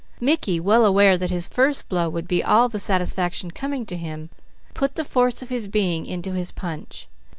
Mickey, well aware that his first blow would be all the satisfaction coming to him, put the force of his being into his punch.